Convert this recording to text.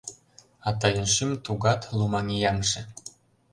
А тыйын шӱм тугат лумаҥ-ияҥше